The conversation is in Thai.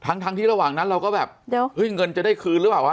ทั้งทั้งที่ระหว่างนั้นเราก็แบบเดี๋ยวเฮ้ยเงินจะได้คืนหรือเปล่าวะ